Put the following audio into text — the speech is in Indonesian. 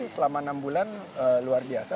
selama enam bulan luar biasa